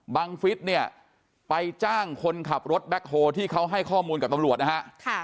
ฟิศเนี่ยไปจ้างคนขับรถแบ็คโฮที่เขาให้ข้อมูลกับตำรวจนะฮะ